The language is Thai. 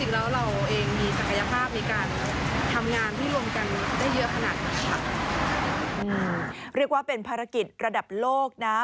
เรียกว่าเป็นภารกิจระดับโลกนะ